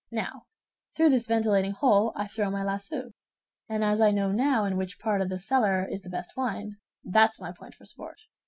Now through this ventilating hole I throw my lasso, and as I now know in which part of the cellar is the best wine, that's my point for sport.